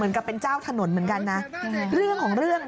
นี่ป้าเป็นนักแข่งมาตั้งแต่เด็กแล้วเว้ย